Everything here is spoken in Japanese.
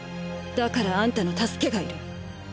だからあんたの助けがいる。